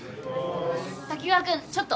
滝川君ちょっと。